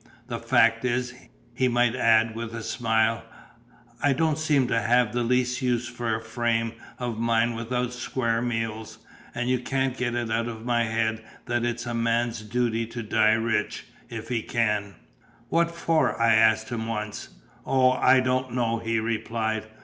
The fact is," he might add with a smile, "I don't seem to have the least use for a frame of mind without square meals; and you can't get it out of my head that it's a man's duty to die rich, if he can." "What for?" I asked him once. "O, I don't know," he replied.